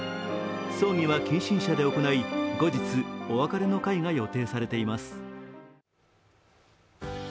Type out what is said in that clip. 葬儀は近親者で行い、後日、お別れの会が予定されています。